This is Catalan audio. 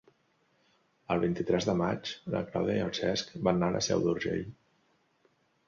El vint-i-tres de maig na Clàudia i en Cesc van a la Seu d'Urgell.